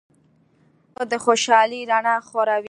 زړه د خوشحالۍ رڼا خوروي.